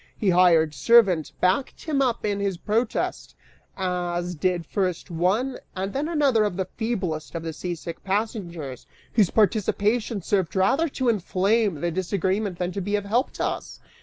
His hired servant backed him up in his protest, as did first one and then another of the feeblest of the seasick passengers, whose participation served rather to inflame the disagreement than to be of help to us.